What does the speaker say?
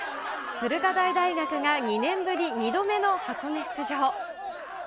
駿河台大学が２年ぶり２度目の箱根出場。